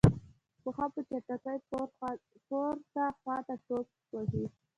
پښه په چټکۍ پورته خواته ټوپ وهي.